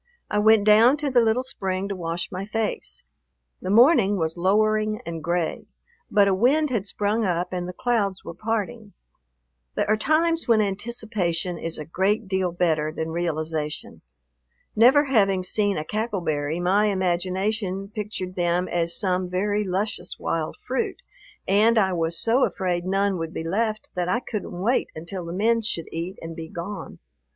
I went down to the little spring to wash my face. The morning was lowering and gray, but a wind had sprung up and the clouds were parting. There are times when anticipation is a great deal better than realization. Never having seen a cackle berry, my imagination pictured them as some very luscious wild fruit, and I was so afraid none would be left that I couldn't wait until the men should eat and be gone.